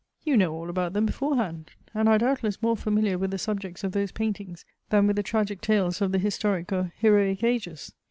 You know all about them beforehand; and are, doubtless, more familiar with the subjects of those paintings, than with the tragic tales of the historic or heroic ages.